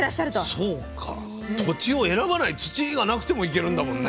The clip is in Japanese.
そうか土地を選ばない土がなくてもいけるんだもんね。